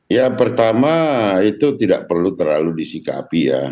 ya pertama itu tidak perlu terlalu disikapi ya